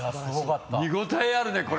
見応えあるねこれ。